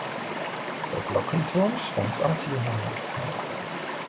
Der Glockenturm stammt aus jüngerer Zeit.